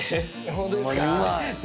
本当ですか？